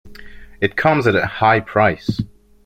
It comes at a high price.